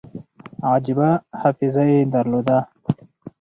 عجیبه حافظه یې درلوده.